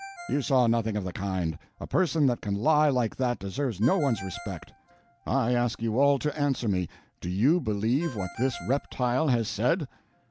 "You saw nothing of the kind! A person that can lie like that deserves no one's respect. I ask you all to answer me. Do you believe what this reptile has said?"